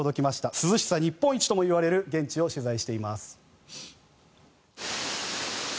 涼しさ日本一ともいわれる現地を取材しています。